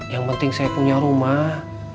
yang penting saya punya rumah